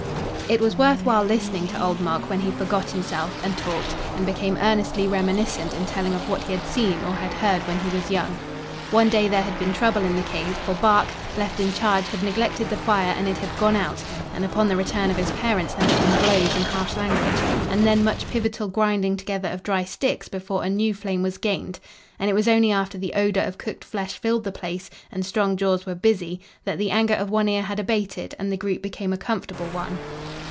It was worth while listening to Old Mok when he forgot himself and talked and became earnestly reminiscent in telling of what he had seen or had heard when he was young. One day there had been trouble in the cave, for Bark, left in charge, had neglected the fire and it had "gone out," and upon the return of his parents there had been blows and harsh language, and then much pivotal grinding together of dry sticks before a new flame was gained, and it was only after the odor of cooked flesh filled the place and strong jaws were busy that the anger of One Ear had abated and the group became a comfortable one.